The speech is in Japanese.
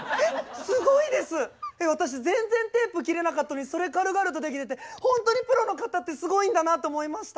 私全然テープ切れなかったのにそれ軽々とできるってほんとにプロの方ってすごいんだなと思いました。